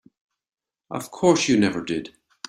Of course you never did.